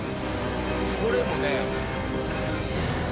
「これもね」